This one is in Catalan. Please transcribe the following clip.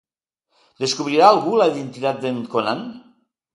Descobrirà algú la identitat d'en Conan?